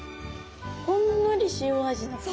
ほんのり塩味な感じ。